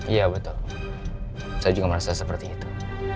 iya betul saya juga merasa seperti itu